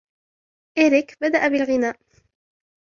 إريك بدأ بالغناء.